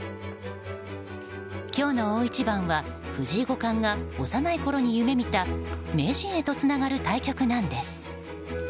今日の大一番は藤井五冠が幼いころに夢見た名人へとつながる対局なんです。